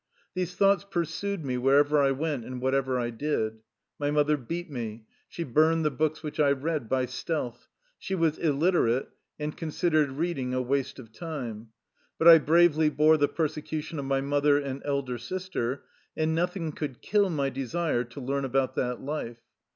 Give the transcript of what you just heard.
These thoughts pursued me wherever I went and whatever I did. My mother beat me ; she burned the books which I read by stealth — she was il literate and considered reading a waste of time — ^but I bravely bore the persecution of my mother and elder sister, and nothing could kill my desire to learn about that life.